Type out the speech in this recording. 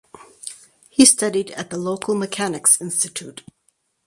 He studied at the local Mechanics Institute.